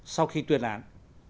sau khi tuyên án